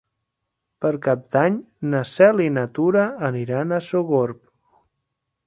Per Cap d'Any na Cel i na Tura aniran a Sogorb.